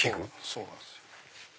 そうなんです。